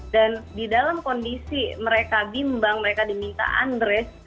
dan di dalam kondisi mereka bimbang mereka diminta undress